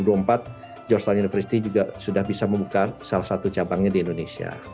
george university juga sudah bisa membuka salah satu cabangnya di indonesia